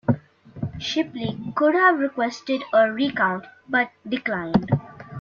Shipley could have requested a recount, but declined.